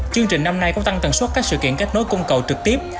chương trình năm nay cũng tăng tần suất các sự kiện kết nối cung cầu trực tiếp